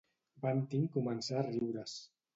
Bunting començà a riure's.